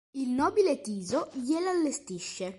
Il nobile Tiso gliela allestisce.